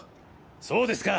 そうですか。